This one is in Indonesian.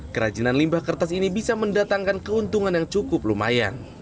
kerajinan limbah kertas ini bisa mendatangkan keuntungan yang cukup lumayan